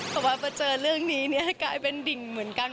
เพราะว่าพอเจอเรื่องนี้ให้กลายเป็นดิ่งเหมือนกัน